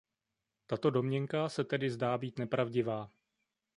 Tato domněnka se tedy zdá být nepravdivá.